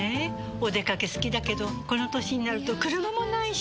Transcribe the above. お出かけ好きだけどこの歳になると車もないし。